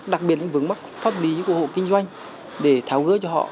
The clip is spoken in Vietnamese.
đặc biệt những vướng mắc pháp lý của hộ kinh doanh để tháo gỡ cho họ